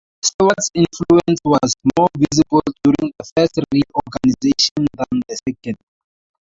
Stewart's influence was more visible during the first reorganization than the second.